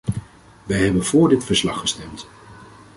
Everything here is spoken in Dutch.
Wij hebben voor dit verslag gestemd.